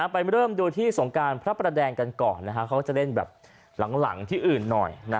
ไปเริ่มดูที่สงการพระประแดงกันก่อนเขาก็จะเล่นแบบหลังที่อื่นหน่อย